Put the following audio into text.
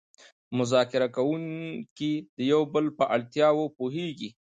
مذاکره کوونکي د یو بل په اړتیاوو پوهیږي